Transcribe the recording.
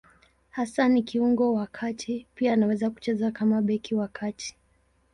Hasa ni kiungo wa kati; pia anaweza kucheza kama beki wa kati.